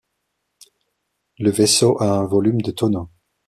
Le vaisseau a un volume de tonneaux.